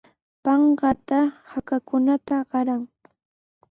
Panqata hakakunata qaray.